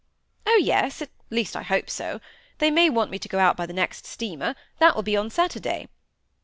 "Oh, yes! At least I hope so. They may want me to go out by the next steamer, that will be on Saturday."